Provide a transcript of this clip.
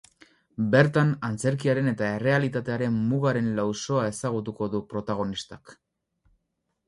Bertan, antzerkiaren eta errealitatearen mugaren lausoa ezagutuko du protagonistak.